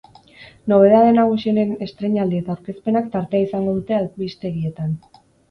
Nobedade nagusienen estrainaldi eta aurkezpenak tartea izango dute albistegietan.